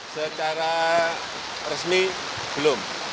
secara resmi belum